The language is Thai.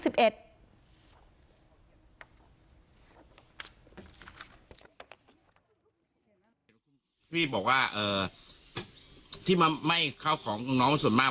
พี่บอกว่าที่มาไหม้เข้าของน้องส่วนมาก